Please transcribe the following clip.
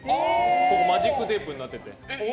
マジックテープになってて。